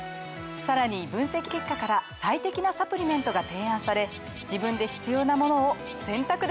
さらに分析結果から最適なサプリメントが提案され自分で必要なものを選択できます！